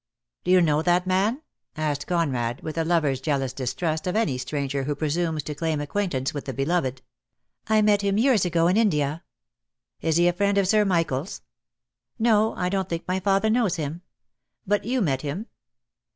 "Do you know that man?" asked Conrad, with a lover's jealous distrust of any stranger who pre sumes to claim acquaintance with the beloved. "I met him years ago in India." "Is he a friend of Sir Michael's?" "No. I don't think my father knows him." "But you met him?"